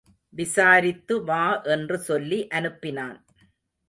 விசாரித்துவா என்று சொல்லி அனுப்பினான்.